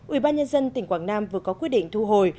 ủy ban nhân dân tỉnh quảng nam vừa có quyết định thu hồi